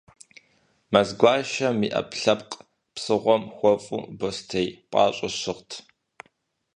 Мэзгуащэм, и ӏэпкълъэпкъ псыгъуэм хуэфӏу бостей пӏащӏэ щыгът.